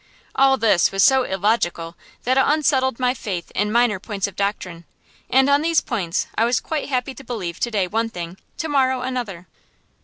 All this was so illogical that it unsettled my faith in minor points of doctrine, and on these points I was quite happy to believe to day one thing, to morrow another.